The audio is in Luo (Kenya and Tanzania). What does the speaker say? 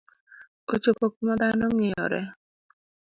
Ochopo kuma dhano ng'iyore